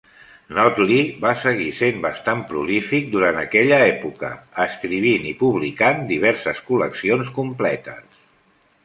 Notley va seguir sent bastant prolífic durant aquella època, escrivint i publicant diverses col·leccions completes.